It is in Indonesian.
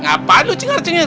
ngapain lu cinggir cinggir